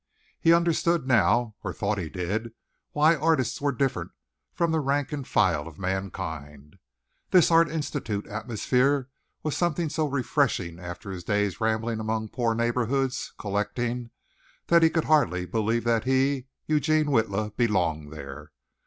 He understood now, or thought he did, why artists were different from the rank and file of mankind. This Art Institute atmosphere was something so refreshing after his days rambling among poor neighborhoods collecting, that he could hardly believe that he, Eugene Witla, belonged there.